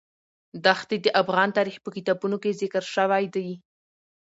دښتې د افغان تاریخ په کتابونو کې ذکر شوی دي.